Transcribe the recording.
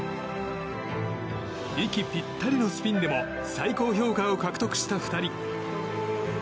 息ぴったりのスピンでも最高評価を獲得した２人。